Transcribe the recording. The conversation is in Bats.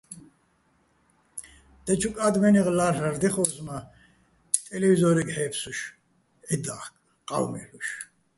დაჩოკ ა́დმენეღ ლა́რ'ლარ დეხო́ს მა́, ტელევიზო́რეგ ჰ̦ე́ფსუშ ჺედა́ხკ, ყა́ვი მე́ლ'ოშ.